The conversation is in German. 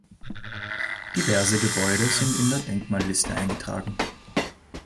Diverse Gebäude sind in der Denkmalliste eingetragen.